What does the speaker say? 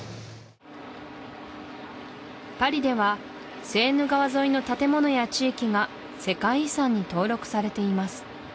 パリではセーヌ川沿いの建物や地域が世界遺産に登録されています